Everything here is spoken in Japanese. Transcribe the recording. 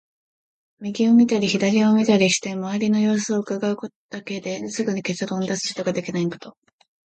右を見たり左を見たりして、周りの様子を窺うだけですぐに結論を出すことができないこと。